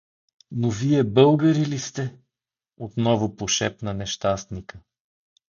— Но вие българи ли сте? — отново пошепна нещастника.